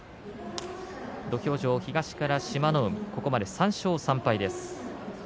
土俵上、東から志摩ノ海３勝３敗です。